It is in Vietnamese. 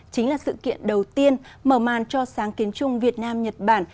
chính là sự kiện đầu tiên mở màn cho sáng kiến chung việt nam nhật bản